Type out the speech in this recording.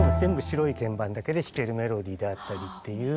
白い鍵盤だけで弾けるメロディーであったりっていう。